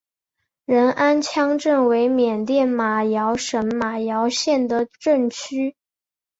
仁安羌镇为缅甸马圭省马圭县的镇区。